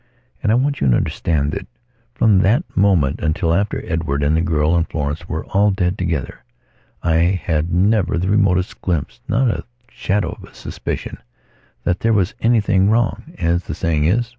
And I want you to understand that, from that moment until after Edward and the girl and Florence were all dead together, I had never the remotest glimpse, not the shadow of a suspicion, that there was anything wrong, as the saying is.